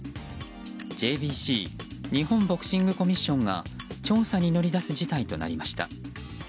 ＪＢＣ・日本ボクシングコミッションが調査に乗り出す事態となりました。